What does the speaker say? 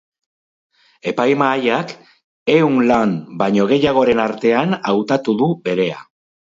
Epaimahaiak ehun lan baino gehiagoren artean hautatu du berea.